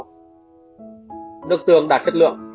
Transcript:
nước tương đạt chất lượng